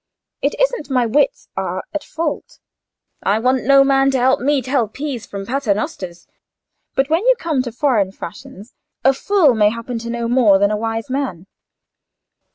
It isn't my wits are at fault,—I want no man to help me tell peas from paternosters,—but when you come to foreign fashions, a fool may happen to know more than a wise man."